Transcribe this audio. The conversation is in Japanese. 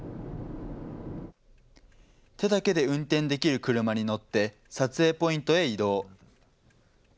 手だけで運転できる車に乗って、撮影ポイントへ移動。